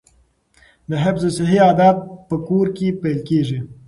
د حفظ الصحې عادات په کور کې پیل کیږي.